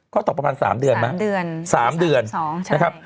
ก็ต่อประมาณ๓เดือนสอง